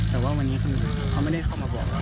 แต่ว่าวันนี้คือเขาไม่ได้เข้ามาบอกเรา